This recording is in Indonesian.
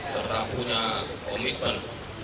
serta punya komitmen